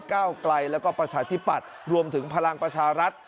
ก้าวไกลแล้วก็ประชาธิปัตย์รวมถึงพลังประชารัฐ